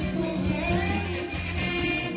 ขอบคุณทุกคน